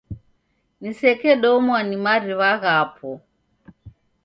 Nisekedomwa ni mariw'a ghapo